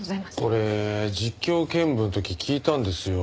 俺実況見分の時聞いたんですよ。